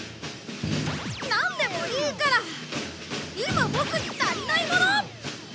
なんでもいいから今ボクに足りないもの！